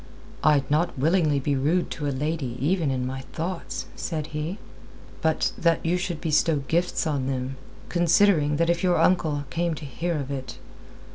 "I'd not willingly be rude to a lady even in my thoughts," said he. "But that you should bestow gifts on them, considering that if your uncle came to hear of it...."